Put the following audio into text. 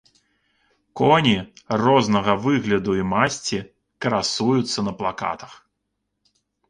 Коні, рознага выгляду і масці, красуюцца на плакатах.